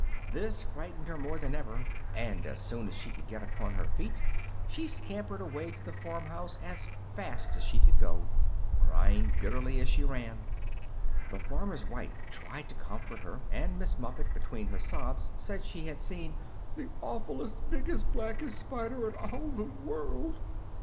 This frightened her more than ever, and as soon as she could get upon her feet she scampered away to the farm house as fast as she could go, crying bitterly as she ran. The farmer's wife tried to comfort her, and Miss Muffet, between her sobs, said she had seen "the awfulest, biggest, blackest spider in all the world!"